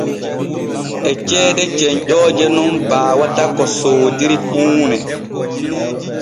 E ceede cenƴooje nun baawata ko soodiri huune.